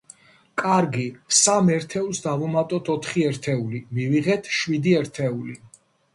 კარგი. სამ ერთეულს დავუმატეთ ოთხი ერთეული, მივიღეთ შვიდი ერთეული.